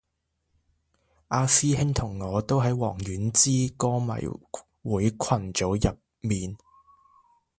阿師兄同我都喺王菀之歌迷會群組入面